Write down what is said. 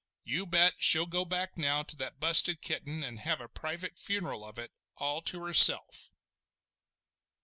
You bet, she'll go back now to that busted kitten and have a private funeral of it, all to herself!"